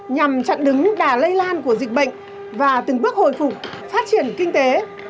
nhằm chặn đứng đà lây lan của dịch bệnh và từng bước hồi phục phát triển kinh tế